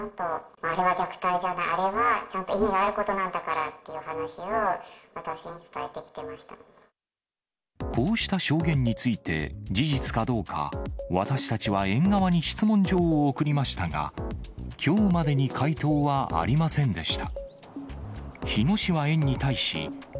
あれは虐待じゃない、あれはちゃんと意味があることなんだからっていう話を、私に伝えこうした証言について事実かどうか、私たちは園側に質問状を送りましたが、きょうまでに回答はありませんでした。